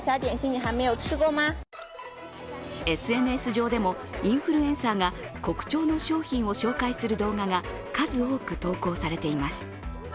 ＳＮＳ上でもインフルエンサーが国潮の商品を紹介する動画が数多く投稿されています。